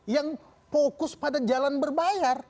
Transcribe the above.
yang fokus pada jalan berbayar